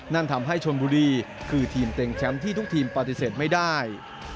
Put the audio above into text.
นั่นทำให้ชนบุรีคือทีมเต็งแชมป์ที่ทุกทีมปฏิเสธไม่ได้